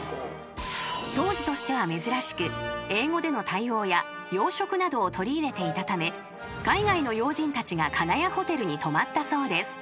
［当時としては珍しく英語での対応や洋食などを取り入れていたため海外の要人たちが金谷ホテルに泊まったそうです］